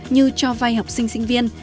như cho vai học sinh sinh viên